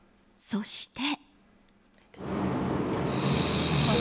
そして。